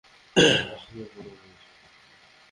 কাকে বুড়ো বলছো?